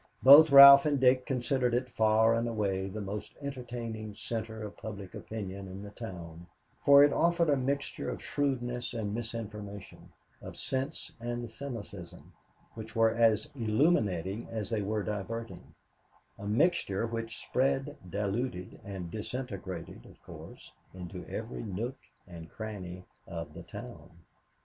Both Ralph and Dick considered it far and away the most entertaining center of public opinion in the town, for it offered a mixture of shrewdness and misinformation, of sense and cynicism, which were as illuminating as they were diverting a mixture which spread, diluted and disintegrated, of course, into every nook and cranny of the town.